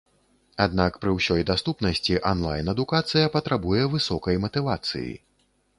Аднак пры ўсёй даступнасці анлайн-адукацыя патрабуе высокай матывацыі.